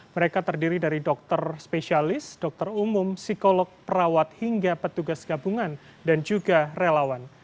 mereka terdiri dari dokter spesialis dokter umum psikolog perawat hingga petugas gabungan dan juga relawan